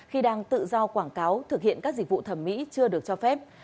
khi đang tự do quảng cáo thực hiện các dịch vụ thẩm mỹ chưa được cho phép